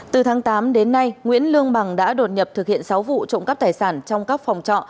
từ tháng tám đến nay nguyễn lương bằng đã đột nhập thực hiện sáu vụ trộm cắp tài sản trong các phòng trọ